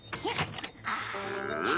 うん？